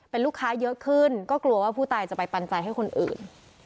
เป็นลูกค้าเยอะขึ้นก็กลัวว่าผู้ตายจะไปปันใจให้คนอื่น